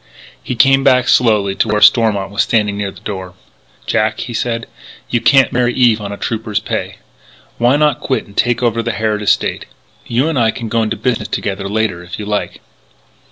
He came back slowly to where Stormont was standing near the door: "Jack," he said, "you can't marry Eve on a Trooper's pay. Why not quit and take over the Harrod estate?... You and I can go into business together later if you like."